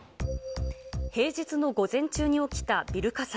平日の午前中に起きたビル火災。